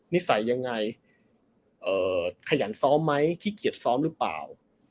นิสัยยังไงขยันซ้อมไหมขี้เกียจซ้อมหรือเปล่า